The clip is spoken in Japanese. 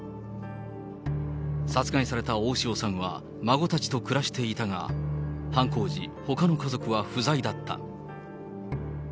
殺害された大塩さんは、孫たちと暮らしていたが、犯行時、ほかの家族は不在だった。